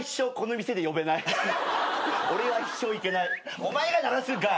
お前が鳴らすんかい。